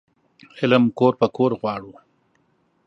علم کور په کور غواړو